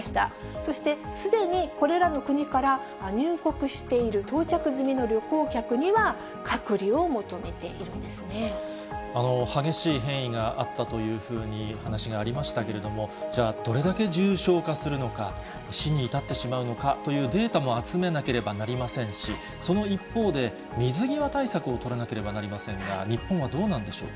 そして、すでにこれらの国から入国している到着済みの旅行客には隔離を求激しい変異があったというふうに話がありましたけれども、じゃあ、どれだけ重症化するのか、死に至ってしまうのかというデータも集めなければなりませんし、その一方で、水際対策を取らなければなりませんが、日本はどうなんでしょうか？